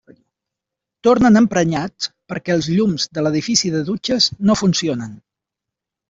Tornen emprenyats perquè els llums de l'edifici de dutxes no funcionen.